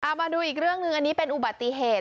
มาดูอีกเรื่องหนึ่งอันนี้เป็นอุบัติเหตุ